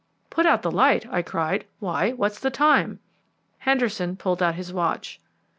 "Put out the light?" I cried. "Why, what's the time?" Henderson pulled out his watch.